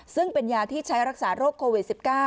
ซึ่งเป็นยาที่ใช้รักษาโรคโควิด๑๙